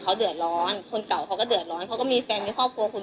พี่ลองคิดดูสิที่พี่ไปลงกันที่ทุกคนพูด